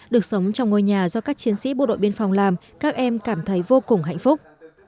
được sống trong ngôi nhà do các chiến sĩ bộ đội biên phòng làm các em cảm thấy vô cùng hạnh phúc